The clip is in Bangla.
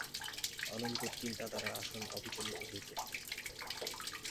অনন্তের চিন্তা দ্বারা আসন অবিচলিত হইতে পারে।